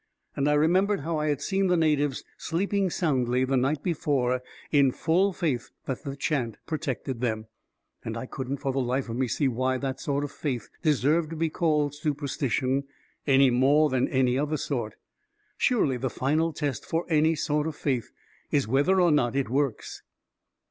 And I remembered how I had seen the natives sleeping soundly the night before, in full faith that the chant protected them; and I couldn't for the life of me see why that sort of faith deserved to be called super stition, any more than any other sort. Surely, the final test for any sort of faith is whether or not it works